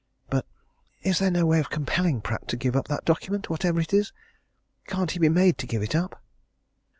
But is there no way of compelling Pratt to give up that document whatever it is? Can't he be made to give it up?"